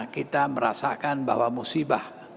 kita merasakan bahwa musibah